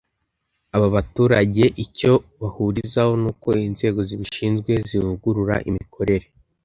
Aba baturage icyo bahurizaho ni uko inzego zibishinzwe zavugurura imikorere